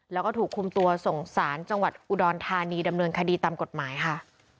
แล้วก็ถูกคุมตัวส่งสารจังหวัดอุดรธานีดำเนินคดีตามกฎหมายค่ะ